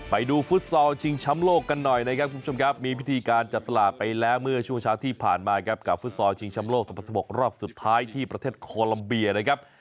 ฟุตซอลชิงช้ำโลกกันหน่อยนะครับคุณผู้ชมครับมีพิธีการจับตลาดไปแล้วเมื่อช่วงเช้าที่ผ่านมาครับกับฟุตซอลชิงชำโลก๒๐๑๖รอบสุดท้ายที่ประเทศโคลัมเบียนะครับ